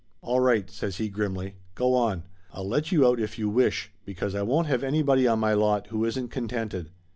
"All right !" says he grimly. "Go on. I'll let you out if you wish. Because I won't have anybody on my lot who isn't contented."